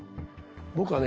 僕はね